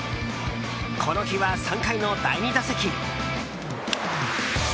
この日は３回の第２打席に。